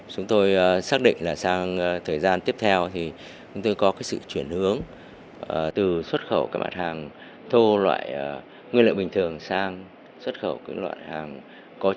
chúng tôi xác định là sang thời gian tiếp theo thì chúng tôi có sự chuyển hướng từ xuất khẩu các mặt hàng thô loại nguyên liệu bình thường sang xuất khẩu các loại hàng có